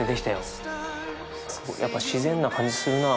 やっぱ自然な感じするなあ。